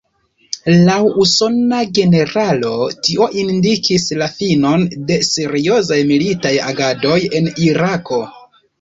Laŭ usona generalo tio indikis la finon de seriozaj militaj agadoj en Irako.